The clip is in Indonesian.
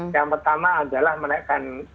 yang pertama adalah menangkap